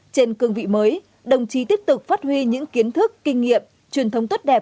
trên cương vị mới đồng chí tiếp tục phát huy những kiến thức kinh nghiệm truyền thống tốt đẹp